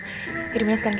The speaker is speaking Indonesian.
kasian juga rendinya yang ada